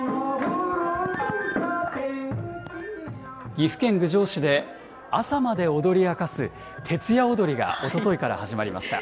岐阜県郡上市で、朝まで踊り明かす徹夜おどりがおとといから始まりました。